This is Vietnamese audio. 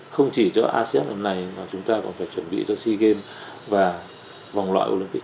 không chỉ cho asean lần này mà chúng ta còn phải chuẩn bị cho sea games và vòng loại olympic